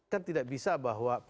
kan tidak bisa bahwa